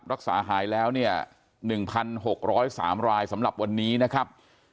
รักษาหายแล้วเนี่ย๑๖๐๓รายสำหรับวันนี้นะครับ